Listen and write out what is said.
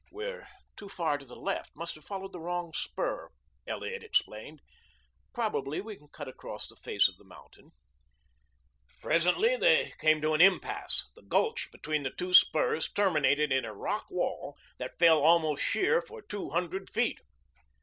"We're too far to the left must have followed the wrong spur," Elliot explained. "Probably we can cut across the face of the mountain." Presently they came to an impasse. The gulch between the two spurs terminated in a rock wall that fell almost sheer for two hundred feet.